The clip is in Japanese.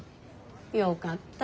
よかった。